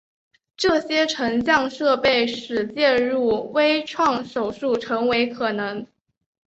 这些成像设备使介入微创手术成为可能。